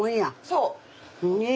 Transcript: そう。